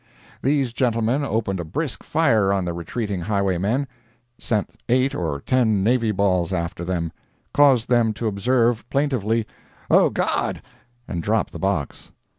These gentlemen opened a brisk fire on the retreating highwaymen—sent eight or ten navy balls after them—caused them to observe, plaintively, "O God!" and drop the box.